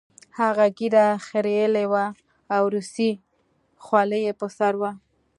هغه ږیره خریلې وه او روسۍ خولۍ یې په سر وه